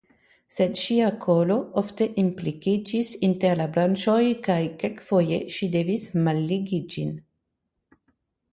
Sed ŝia kolo ofte implikiĝis inter la branĉoj kaj kelkfoje ŝi devis malligi ĝin.